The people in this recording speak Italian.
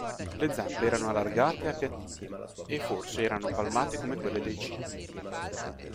Le zampe erano allargate e appiattite, e forse erano palmate come quelle dei cigni.